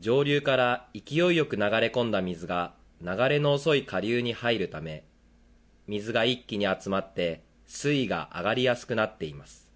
上流から勢いよく流れ込んだ水が流れの遅い下流に入るため水が一気に集まって水位が上がりやすくなっています。